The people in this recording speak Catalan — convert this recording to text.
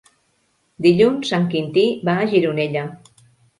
Dilluns en Quintí va a Gironella.